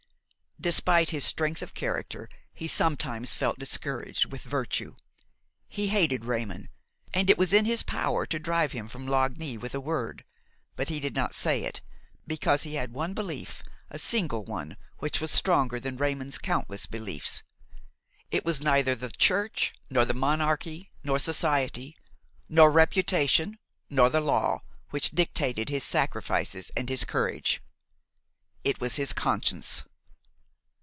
Despite his strength of character, he sometimes felt discouraged with virtue. He hated Raymon, and it was in his power to drive him from Lagny with a word; but he did not say it, because he had one belief, a single one, which was stronger than Raymon's countless beliefs. It was neither the church, nor the monarchy, nor society, nor reputation, nor the law, which dictated his sacrifices and his courage–it was his conscience.